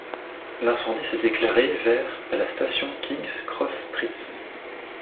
L'incendie s'est déclaré vers à la station King's Cross St.